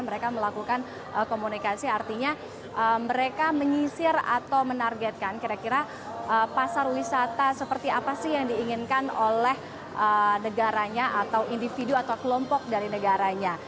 mereka melakukan komunikasi artinya mereka menyisir atau menargetkan kira kira pasar wisata seperti apa sih yang diinginkan oleh negaranya atau individu atau kelompok dari negaranya